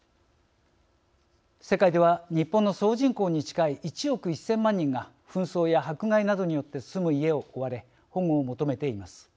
世界では日本の総人口に近い１億１０００万人が紛争や迫害などによって住む家を追われ保護を求めています。